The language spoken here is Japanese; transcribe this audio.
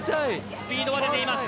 スピードは出ています。